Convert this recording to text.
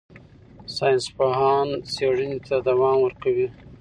ساینسپوهان څېړنې ته دوام ورکوي.